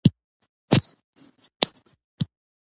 په پلورنځي کې باید د پیسو ورکړه اسانه وي.